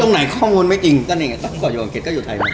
อันนี้นายข้องโง่นไม่จริงจ้ะเนี่ยเจ้าอยู่อังกฤษก็อยู่ไทยมาก่อน